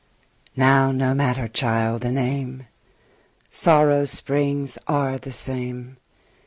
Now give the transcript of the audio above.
Now no matter, child, the name: Sorrow's springs are the same.